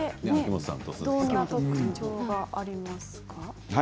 どんな特徴がありますか？